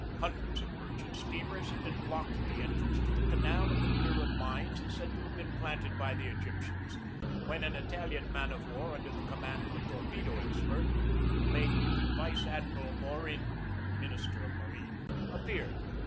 Hundreds of merchant steamers had been blocked at the entrance to the canal in the fear of mines said to have been planted by the Egyptians, when an Italian man of war under the command of a torpedo expert (late Vice Admiral Morin, minister of marine) appeared.